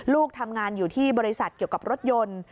ลูกทำงานอยู่ที่บริษัทเกี่ยวกับรถยนต์